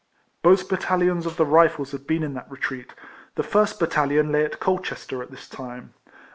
Both battalions of the Rifles had been in that retreat. The first battalion lay at Colchester at this time.